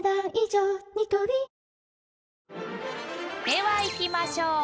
［ではいきましょう。